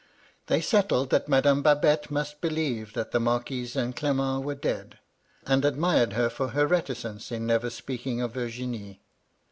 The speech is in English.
They settled that Madame Babette must be lieve that the Marquise and Clement were dead ; and admired her for her reticence in never speaking of Virginie.